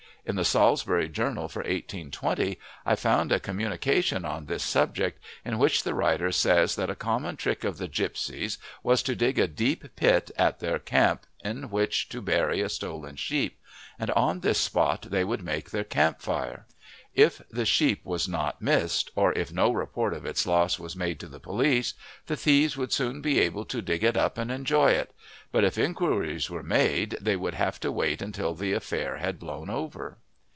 In the "Salisbury Journal" for 1820 I find a communication on this subject, in which the writer says that a common trick of the gipsies was to dig a deep pit at their camp in which to bury a stolen sheep, and on this spot they would make their camp fire. If the sheep was not missed, or if no report of its loss was made to the police, the thieves would soon be able to dig it up and enjoy it; but if inquiries were made they would have to wait until the affair had blown over.